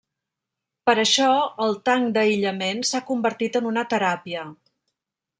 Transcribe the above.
Per això, el tanc d'aïllament s'ha convertit en una teràpia.